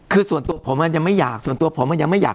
คือส่วนตัวผมมันยังไม่อยาก